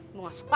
ibu gak suka